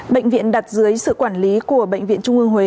bệnh viện đặt dưới sự quản lý của bệnh viện trung ương huế